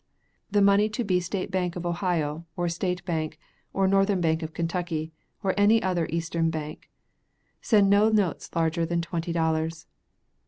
The money to be State Bank of Ohio, or State Bank, or Northern Bank of Kentucky, or any other Eastern bank. Send no notes larger than twenty dollars.